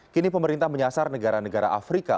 kini pemerintah menyasar negara negara afrika